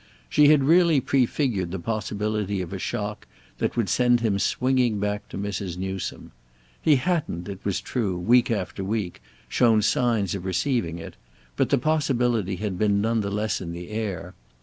She had really prefigured the possibility of a shock that would send him swinging back to Mrs. Newsome. He hadn't, it was true, week after week, shown signs of receiving it, but the possibility had been none the less in the air.